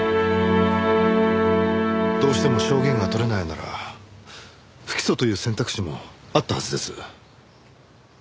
どうしても証言が取れないなら不起訴という選択肢もあったはずです。